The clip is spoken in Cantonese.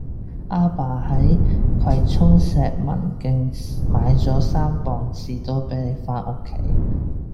亞爸喺葵涌石文徑買左三磅士多啤梨返屋企